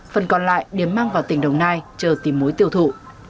phần còn lại điểm mang vào tỉnh đồng nai chờ tìm mối tiêu thụ